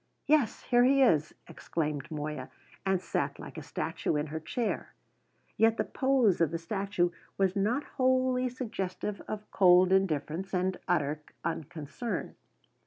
"Yes, here he is!" exclaimed Moya, and sat like a statue in her chair. Yet the pose of the statue was not wholly suggestive of cold indifference and utter unconcern.